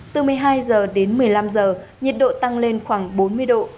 từ một mươi hai giờ đến một mươi năm h nhiệt độ tăng lên khoảng bốn mươi độ